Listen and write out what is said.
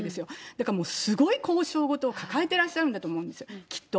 だからすごい交渉事を抱えてらっしゃるんだと思うんですよ、きっと。